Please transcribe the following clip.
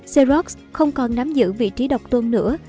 ceros không còn nắm giữ vị trí độc tôn nữa